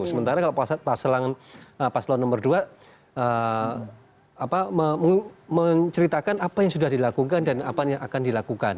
sementara kalau paslon nomor dua menceritakan apa yang sudah dilakukan dan apa yang akan dilakukan